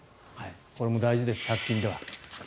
これも大事です、１００均では。